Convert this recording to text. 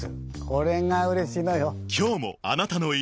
これがうれしいのよ。